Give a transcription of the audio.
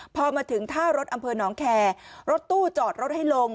พอมาถึงท่ารถอำเภอหนองแคร์รถตู้จอดรถให้ลง